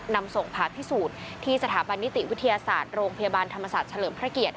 นำส่งผ่าพิสูจน์ที่สถาบันนิติวิทยาศาสตร์โรงพยาบาลธรรมศาสตร์เฉลิมพระเกียรติ